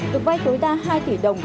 được vay tối đa hai tỷ đồng